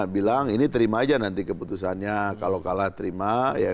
bilang ini terima aja nanti keputusannya kalau kalah terima